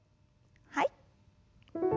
はい。